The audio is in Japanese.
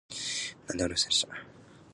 なんでもありませんでした